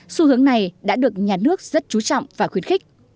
xu hướng này đã được nhà nước rất chú trọng và khuyến khích